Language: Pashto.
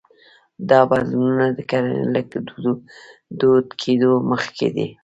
دا بدلونونه د کرنې له دود کېدو مخکې وو